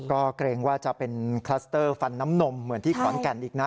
ก็เกรงว่าจะเป็นคลัสเตอร์ฟันน้ำนมเหมือนที่ขอนแก่นอีกนะ